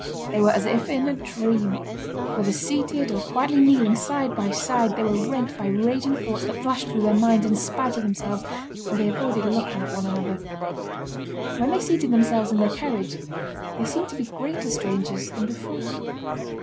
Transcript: They were as if in a dream. Whether seated, or quietly kneeling side by side, they were rent by raging thoughts that flashed through their minds in spite of themselves, and they avoided looking at one another. When they seated themselves in their carriage, they seemed to be greater strangers than before.